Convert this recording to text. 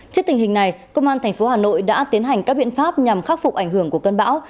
trước tình hình này công an tp hà nội đã tiến hành các biện pháp nhằm khắc phục ảnh hưởng của cơn bão